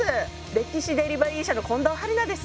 歴史デリバリー社の近藤春菜です。